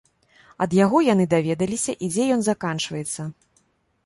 Ад яго яны даведаліся і дзе ён заканчваецца.